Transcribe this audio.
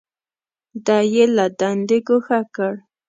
دی یې له دندې ګوښه کړ.